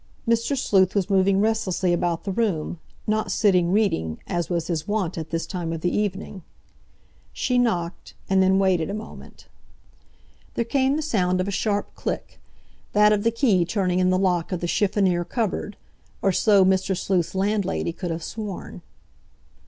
Mr. Sleuth was moving restlessly about the room, not sitting reading, as was his wont at this time of the evening. She knocked, and then waited a moment. There came the sound of a sharp click, that of the key turning in the lock of the chiffonnier cupboard—or so Mr. Sleuth's landlady could have sworn.